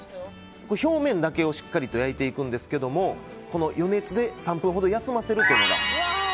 表面だけをしっかり焼いていくんですけど余熱で３分ほど休ませるというのが。